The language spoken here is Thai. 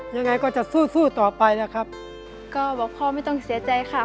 ยังไงก็จะสู้สู้ต่อไปนะครับก็บอกพ่อไม่ต้องเสียใจค่ะ